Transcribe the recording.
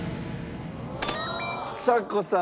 ちさ子さん